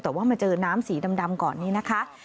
แต่ว่ามาเจอน้ำสีดำก่อนนี้นะคะ